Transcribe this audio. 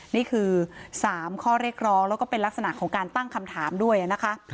นี่คือ๓ข้อเรียกร้องแล้วก็เป็นลักษณะของการตั้งคำถามด้วยนะคะ